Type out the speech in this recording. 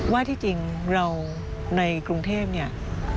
ว่าที่จริงเราในกรุงเทพเนี่ย